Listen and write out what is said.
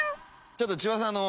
ちょっと千葉さんあの。